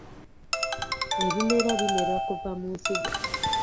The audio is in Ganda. Ebimera bimera kuva mu nsigo.